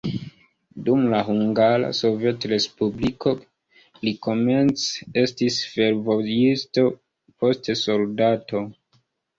Dum la Hungara Sovetrespubliko li komence estis fervojisto, poste soldato.